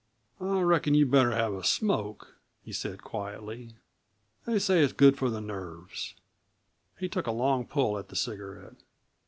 "I reckon you'd better have a smoke," he said quietly; "they say it's good for the nerves." He took a long pull at the cigarette.